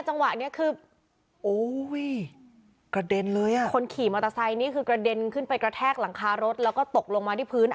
จังหวะนี้คือโอ้ยกระเด็นเลยอ่ะคนขี่มอเตอร์ไซค์นี่คือกระเด็นขึ้นไปกระแทกหลังคารถแล้วก็ตกลงมาที่พื้น